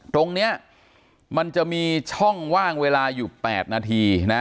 ตรงนี้มันจะมีช่องว่างเวลาอยู่๘นาทีนะ